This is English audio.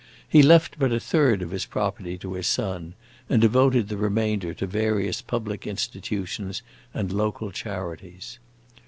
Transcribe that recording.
He left but a third of his property to his son, and devoted the remainder to various public institutions and local charities.